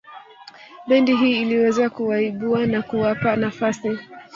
Bendi hii iliweza kuwaibua na kuwapa nafasi